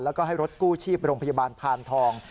แล้วก็ให้รถกู้ชีพโรงพยาบาลพานทอง